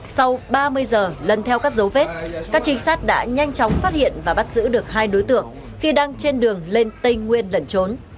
sau ba mươi giờ lần theo các dấu vết các trinh sát đã nhanh chóng phát hiện và bắt giữ được hai đối tượng khi đang trên đường lên tây nguyên lẩn trốn